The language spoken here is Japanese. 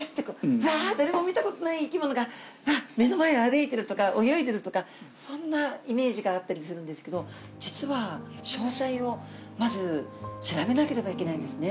新種発見というのは、なんか、私たちが想像すると、いきなり誰も見たことがない生き物が、あっ、目の前歩いてるとか、泳いでるとか、そんなイメージがあったりするんですけど、実は、詳細をまず、調べなければいけないんですね。